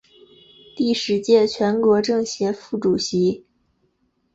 第十届全国政协副主席。